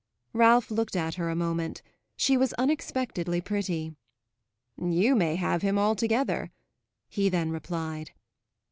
Ralph looked at her a moment; she was unexpectedly pretty. "You may have him altogether," he then replied.